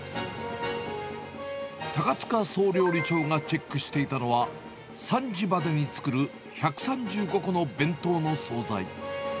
高塚総料理長がチェックしていたのは、３時までに作る１３５個の弁当の総菜。